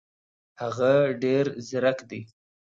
هغه ډېر زیرک دی.